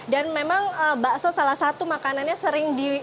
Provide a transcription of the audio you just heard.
dan memang bakso salah satu makanannya sering di